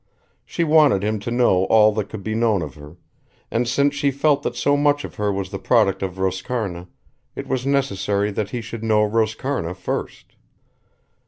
She wanted him to know all that could be known of her, and since she felt that so much of her was the product of Roscarna, it was necessary that he should know Roscarna first.